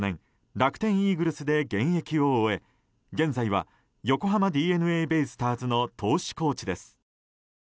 楽天イーグルスで現役を終え現在は横浜ＤｅＮＡベイスターズの投手コーチです。